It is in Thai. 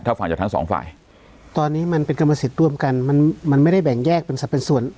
ถ้าฟังจากทั้งสองฝ่ายตอนนี้มันเป็นกรรมสิทธิ์ร่วมกันมันมันไม่ได้แบ่งแยกเป็นสัตว์เป็นส่วน